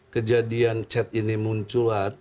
kejadian chat ini munculat